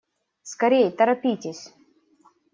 Скорей, торопитесь!